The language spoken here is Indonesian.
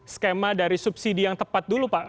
skema dari subsidi yang tepat dulu pak